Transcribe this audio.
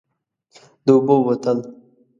د اوبو بوتل،